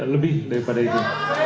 lebih daripada itu